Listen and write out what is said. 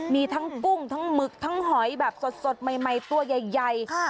มีทั้งกุ้งทั้งหมึกทั้งหอยแบบสดใหม่ตัวใหญ่